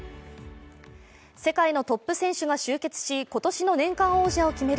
世界のトップ選手が集結し、今年の年間王者を決める